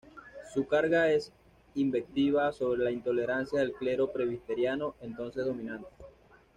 Su carga es una invectiva sobre la intolerancia del clero presbiteriano entonces dominante.